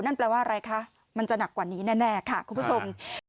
นั่นแปลว่าอะไรคะมันจะหนักกว่านี้แน่ค่ะคุณผู้ชม